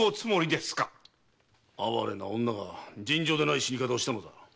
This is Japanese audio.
あわれな女が尋常でない死に方をしたのだ。